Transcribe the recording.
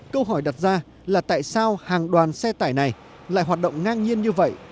câu hỏi đặt ra là tại sao hàng đoàn xe tải này lại hoạt động ngang nhiên như vậy